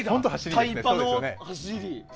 タイパの走り。